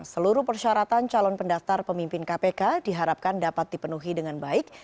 seluruh persyaratan calon pendaftar pemimpin kpk diharapkan dapat dipenuhi dengan baik